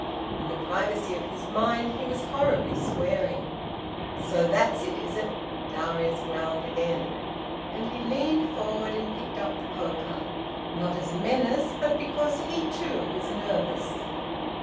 In the privacy of his mind he was horribly swearing. "So that's it, is it?" Darius growled again. And he leaned forward and picked up the poker, not as a menace, but because he too was nervous.